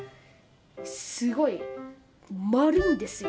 すごい丸いんですよ